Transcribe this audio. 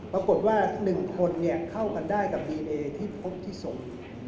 ปรากฏว่า๑คนเข้ากันได้กับดีเอที่พบที่ศพ